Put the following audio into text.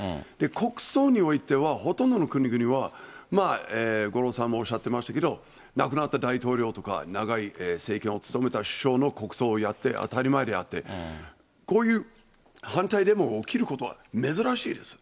国葬においては、ほとんどの国々は、五郎さんもおっしゃってましたけど、亡くなった大統領とか、長い政権を務めた首相の国葬をやって当たり前であって、こういう反対デモが起きることは珍しいです。